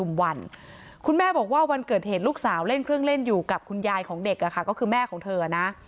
คุณแม่บอกว่าวันเกิดเหตุลูกสาวเล่นเครื่องเล่นอยู่กับคุณยายของเด็กก็คือแม่ของเธอนะ